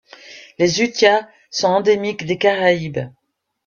Les hutias sont endémiques des Caraïbes.